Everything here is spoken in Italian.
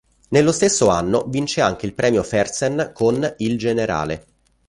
Nello stesso anno vince anche il Premio Fersen con "Il generale".